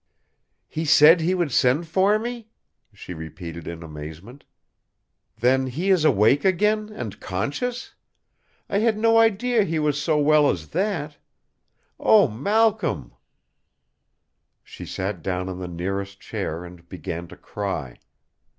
"He said he would send for me!" she repeated in amazement. "Then he is awake again, and conscious? I had no idea he was so well as that! O Malcolm!" She sat down on the nearest chair and began to cry.